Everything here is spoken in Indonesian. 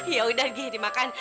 yaudah gih dimakan